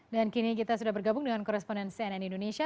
dan kini kita sudah bergabung dengan koresponden cnn indonesia